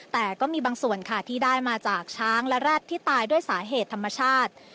แต่ก็มีบางส่วนค่ะที่ได้มาจากช้างและแร็ดที่ตายด้วยสาเหตุธรรมชาติ